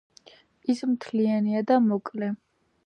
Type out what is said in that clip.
ის მთლიანია და მოკლე.